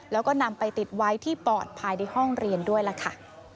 แล้วก็นำไปติดไว้ที่ปอดภายในห้องเรียนด้วยล่ะค่ะ